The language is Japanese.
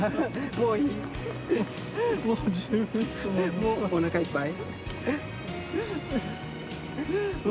もうおなかいっぱい？